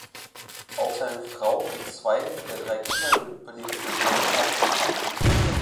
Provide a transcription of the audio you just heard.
Auch seine Frau und zwei der drei Kinder überlebten das Attentat nicht.